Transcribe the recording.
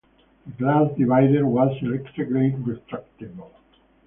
The glass divider was electrically retractable.